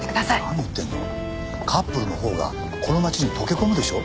カップルのほうがこの街に溶け込むでしょ？